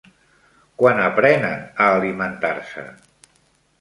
Quan aprenen a alimentar-se?